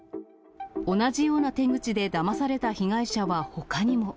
同じような手口でだまされた被害者はほかにも。